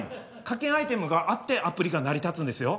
課金アイテムがあってアプリが成り立つんですよ。